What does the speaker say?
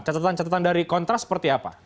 catatan catatan dari kontras seperti apa